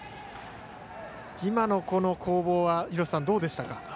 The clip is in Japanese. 今の、この攻防はどうでしたか？